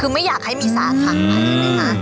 คือไม่อยากให้มีสารทางผ่านเลยไหมคะ